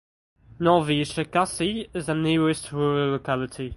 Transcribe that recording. Novye Cherkassy is the nearest rural locality.